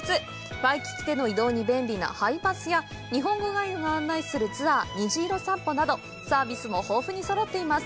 ワイキキでの移動に便利なハイバスや日本語ガイドが案内するツアー「虹色散歩」など、サービスも豊富にそろっています。